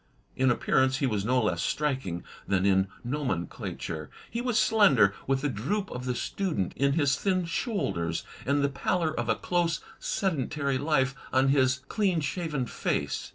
In appearance he was no less striking than in nomenclature. He was slender, with the droop of the student in his thin shoulders and the pallor of a close, sedentary life on his clean shaven face.